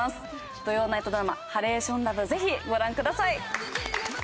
土曜ナイトドラマ『ハレーションラブ』ぜひご覧ください！